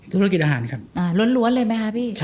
ธุรกิจอาหารครับล้วนเลยไหมคะพี่